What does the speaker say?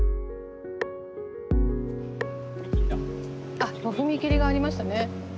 あっ踏み切りがありましたね。